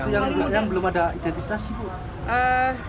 itu yang belum ada identitas sih bu